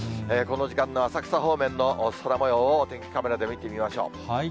この時間の浅草方面の空もようをお天気カメラで見てみましょう。